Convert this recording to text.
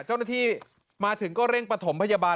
เจ้าหน้าที่มาถึงก็เร่งประถมพยาบาล